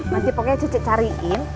nanti pokoknya cice cariin